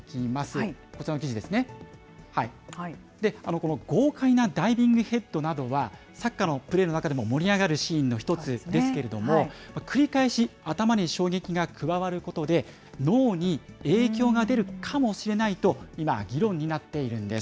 この豪快なダイビングヘッドなどは、サッカーのプレーの中でも盛り上がるシーンの１つですけれども、繰り返し頭に衝撃が加わることで、脳に影響が出るかもしれないと、今、議論になっているんです。